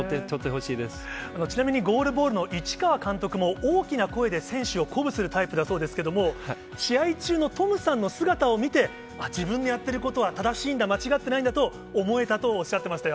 ちなみに、ゴールボールのいちかわ監督も大きな声で選手を鼓舞するタイプだそうですけれども、試合中のトムさんの姿を見て、あっ、自分がやっていることは正しいんだ、間違ってないんだと思えたとおっしゃってましたよ。